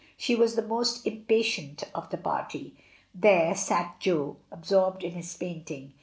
She was the most impatient of the party. There sat Jo, absorbed in his painting.